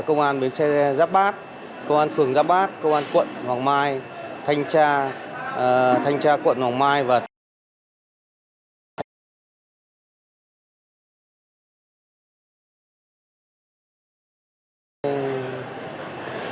công an phường nhật công an phường nhật công an phường nhật công an phường nhật công an phường nhật công an phường nhật công an phường nhật công an phường nhật công an phường nhật